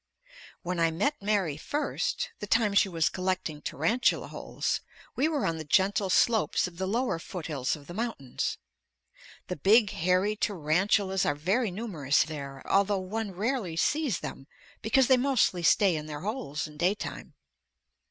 When I met Mary first the time she was collecting tarantula holes we were on the gentle slopes of the lower foothills of the mountains. The big hairy tarantulas are very numerous there, although one rarely sees them because they mostly stay in their holes in daytime.